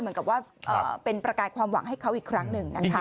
เหมือนกับว่าเป็นประกายความหวังให้เขาอีกครั้งหนึ่งนะคะ